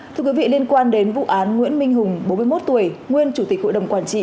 thưa quý vị liên quan đến vụ án nguyễn minh hùng bốn mươi một tuổi nguyên chủ tịch hội đồng quản trị